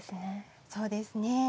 そうですね。